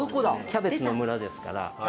キャベツの村ですから。